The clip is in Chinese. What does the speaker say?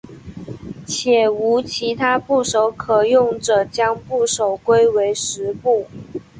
且无其他部首可用者将部首归为石部。